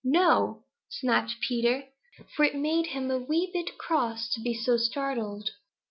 "No!" snapped Peter, for it made him a wee bit cross to be so startled.